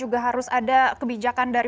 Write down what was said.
dan membutuhkan kebijakan dari